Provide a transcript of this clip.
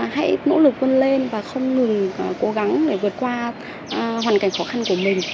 hãy nỗ lực quân lên và không ngừng cố gắng để vượt qua hoàn cảnh khó khăn của mình